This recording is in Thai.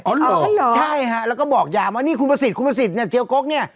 เหรอใช่ฮะแล้วก็บอกยามว่านี่คุณประสิทธิคุณประสิทธิ์เนี่ยเจียวกกเนี่ย